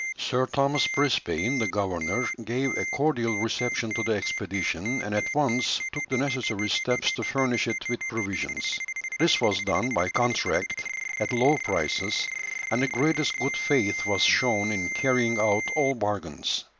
] Sir Thomas Brisbane, the governor, gave a cordial reception to the expedition, and at once took the necessary steps to furnish it with provisions. This was done by contract at low prices, and the greatest good faith was shown in carrying out all bargains.